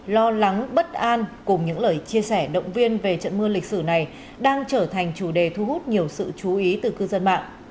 lo lắng bất an cùng những lời chia sẻ động viên về trận mưa lịch sử này đang trở thành chủ đề thu hút nhiều sự chú ý từ cư dân mạng